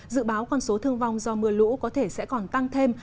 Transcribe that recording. dự báo con số thương vong do mưa lũ có thể sẽ còn tăng thêm